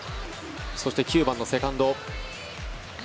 そして９番のセカンド。